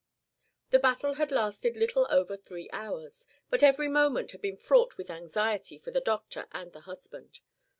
The battle had lasted little over three hours, but every moment had been fraught with anxiety for the doctor and the husband.